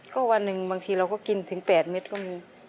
ก็วันหนึ่งบางทีเราก็กินถึง๘เม็ดก็มี